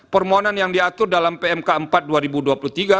permohonan yang diatur dalam pmk empat dua ribu dua puluh tiga